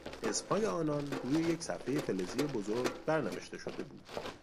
اسمهای آنان روی یک صفحهی فلزی بزرگ برنوشته شده بود.